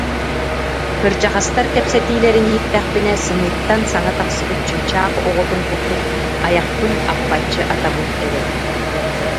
Кырдьаҕастар кэпсэтиилэрин иһиттэхпинэ, сымыыттан саҥа тахсыбыт чыычаах оҕотун курдук, айахпын аппаччы атабын эрэ